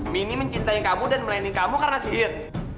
mini mencintai kamu dan melayani kamu karena sihir